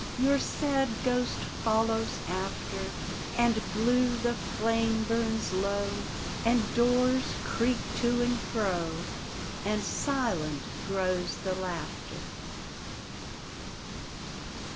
Your sad ghost follows after; And blue the flame bums low. And doors creak to and fro. And silent grows the laughter.